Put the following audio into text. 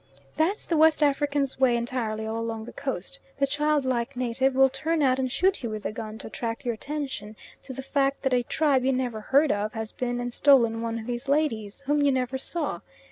That's the West African's way entirely all along the Coast; the "child like" native will turn out and shoot you with a gun to attract your attention to the fact that a tribe you never heard of has been and stolen one of his ladies, whom you never saw.